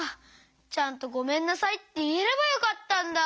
ちゃんと「ごめんなさい」っていえればよかったんだ。